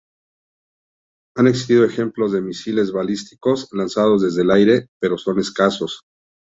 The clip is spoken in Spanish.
Han existido ejemplos de misiles balísticos lanzados desde el aire, pero son escasos.